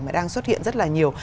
mà đang xuất hiện rất là nhiều